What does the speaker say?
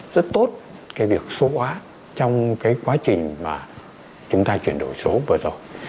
rất tốt cái việc số hóa trong cái quá trình mà chúng ta chuyển đổi số vừa rồi